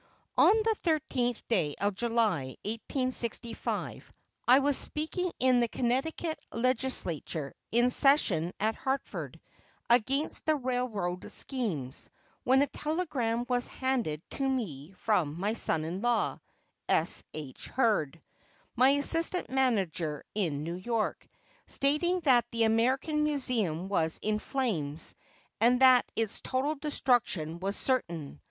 On the thirteenth day of July, 1865, I was speaking in the Connecticut Legislature, in session at Hartford, against the railroad schemes, when a telegram was handed to me from my son in law, S. H. Hurd, my assistant manager in New York, stating that the American Museum was in flames and that its total destruction was certain.